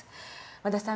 和田さん